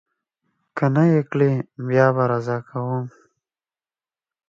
که نه یې کړي، بیا به رضا کوم.